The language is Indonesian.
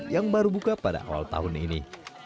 yang baru buka pada awal tahun ini